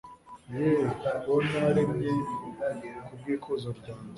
Ye uwo naremye ku bw ikuzo ryanjye